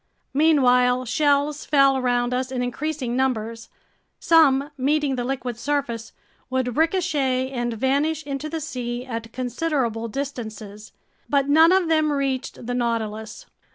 Meanwhile shells fell around us in increasing numbers. Some, meeting the liquid surface, would ricochet and vanish into the sea at considerable distances. But none of them reached the Nautilus.